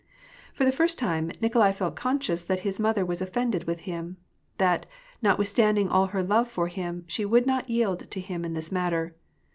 For the first time, Nikolai felt conscious that his mother was offended with him ; that, notwithstanding all her love for him, she would not yield to him in this matter.